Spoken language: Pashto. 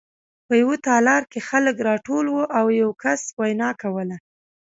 په یوه تالار کې خلک راټول وو او یو کس وینا کوله